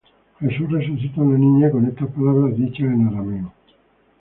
Jesús resucita a una niña con estas palabras dichas en arameo.